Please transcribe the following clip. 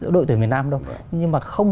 đội tuyển việt nam đâu nhưng mà